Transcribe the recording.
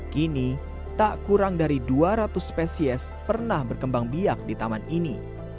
kini tak kurang dari dua ratus spesies pernah berkembang biak di taman ini